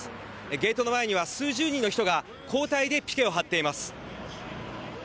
ゲートの前には数十人の人が交代でピケを張っています。